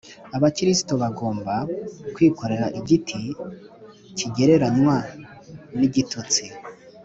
Abakristo bagomba kwikorera igiti kigereranywa n’igitutsi